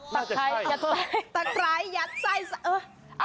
ปะไคร้ยัดไส้ถูกเนอะ